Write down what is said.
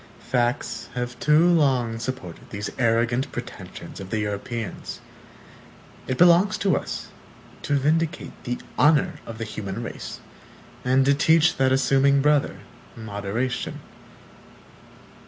(1) Facts have too long supported these arrogant pretensions of the Europeans. It belongs to us to vindicate the honor of the human race, and to teach that assuming brother, moderation.